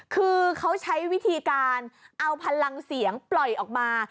คือเขาใช้วิธีการเอาพลังเสียงปล่อยออกมา